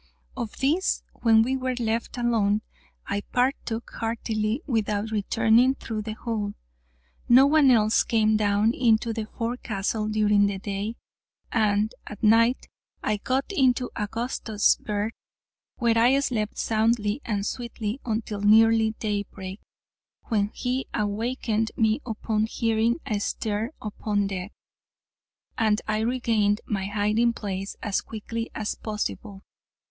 Of this, when we were left alone, I partook heartily, without returning through the hole. No one else came down into the forecastle during the day, and at night, I got into Augustus' berth, where I slept soundly and sweetly until nearly daybreak, when he awakened me upon hearing a stir upon deck, and I regained my hiding place as quickly as possible.